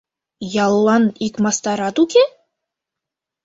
— Яллан ик мастарат уке?